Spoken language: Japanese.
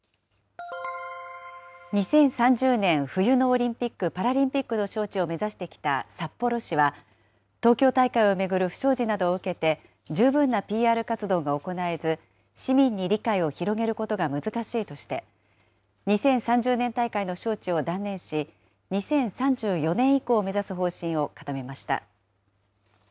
２０３０年冬のオリンピック・パラリンピックの招致を目指してきた札幌市は、東京大会を巡る不祥事などを受けて十分なＰＲ活動が行えず、市民に理解を広げることが難しいとして、２０３０年大会の招致を断念し、２０３４年以降を目指す方針を固めました。